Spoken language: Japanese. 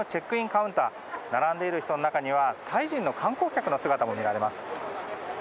カウンター並んでいる人の中にはタイ人の観光客の姿も見られます。